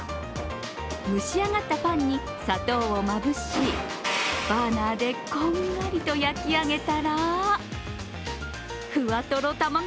蒸し上がったパンに砂糖をまぶしバーナーでこんがりと焼き上げたらふわとろたまご